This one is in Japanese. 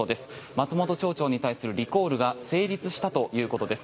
松本町長に対するリコールが成立したということです。